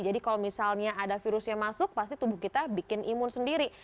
jadi kalau misalnya ada virusnya masuk pasti tubuh kita bikin imun sendiri